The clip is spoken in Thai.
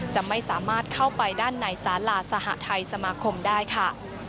จะไม่สามารถเข้าไปด้านในสาลาสหทัยสมาคมได้ค่ะ